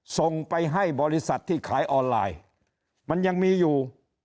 ส่งไปให้บริษัทที่ขายออนไลน์มันยังมีอยู่